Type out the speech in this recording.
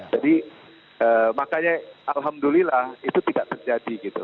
jadi makanya alhamdulillah itu tidak terjadi gitu